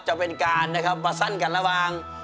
จะเป็นการประสั้นกันระหว่าง